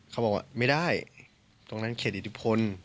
เขาบอกว่าไม่ได้ตรงนั้นเขตอิทธิพล